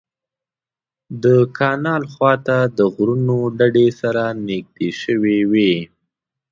د کانال خوا ته د غرونو ډډې سره نږدې شوې وې.